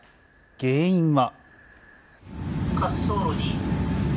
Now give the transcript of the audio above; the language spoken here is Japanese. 原因は。